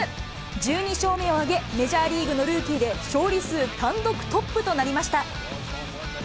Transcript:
１２勝目を挙げ、メジャーリーグのルーキーで勝利数単独トップとなりました。